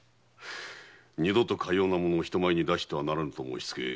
二度とかような物を人前に出してはならぬと申しつけ